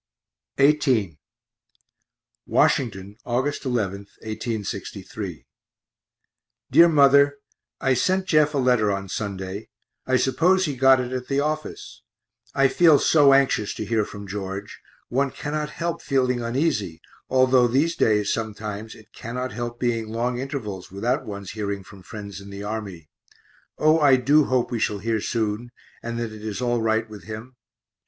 XVIII Washington, Aug. 11, 1863. DEAR MOTHER I sent Jeff a letter on Sunday I suppose he got it at the office. I feel so anxious to hear from George; one cannot help feeling uneasy, although these days sometimes it cannot help being long intervals without one's hearing from friends in the army. O I do hope we shall hear soon, and that it is all right with him.